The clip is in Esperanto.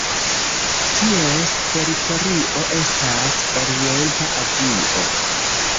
Ties teritorio estas Orienta Azio.